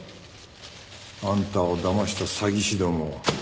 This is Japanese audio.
あんたをだました詐欺師どもを。